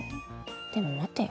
でも待てよ。